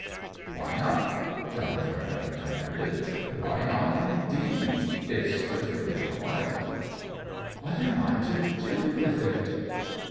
"Why not?" John Fairmeadow demanded. "Why not, indeed? It's perfectly polite." "What am I to do with it?"